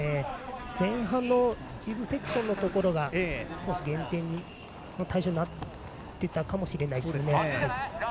前半のジブセクションのところが少し減点の対象になっていたかもしれないですね。